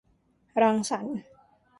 รังสรรค์